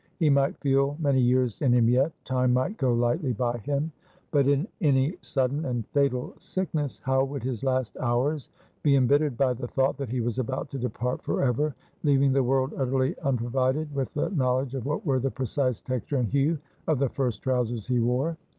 He might feel many years in him yet; time might go lightly by him; but in any sudden and fatal sickness, how would his last hours be embittered by the thought, that he was about to depart forever, leaving the world utterly unprovided with the knowledge of what were the precise texture and hue of the first trowsers he wore.